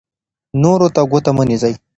نورو ته ګوته مه نیسئ.